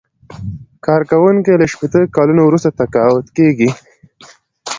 کارکوونکی له شپیته کلونو وروسته تقاعد کیږي.